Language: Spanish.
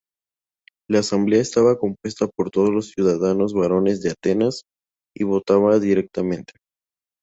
La asamblea estaba compuesta por todos los ciudadanos varones de Atenas y votaba directamente.